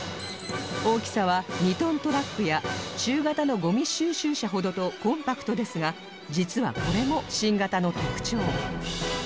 大きさは２トントラックや中型のゴミ収集車ほどとコンパクトですが実はこれも新型の特徴